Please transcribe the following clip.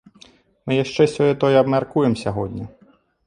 Мы яшчэ сёе-тое абмяркуем сягоння.